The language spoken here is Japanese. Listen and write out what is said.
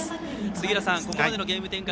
杉浦さん、ここまでのゲーム展開